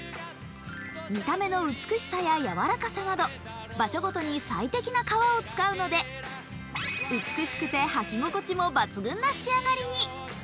見た目の美しさや柔らかさなど場所ごとに最適な革を使うので美しくて履き心地も抜群な仕上がりに。